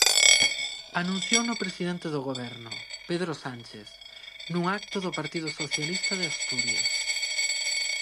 Anunciouno o presidente do Goberno, Pedro Sánchez, nun acto do Partido Socialista de Asturias.